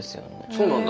そうなんだ。